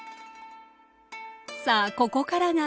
さあここからが笠原流。